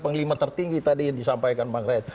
penglima tertinggi tadi yang disampaikan pak rai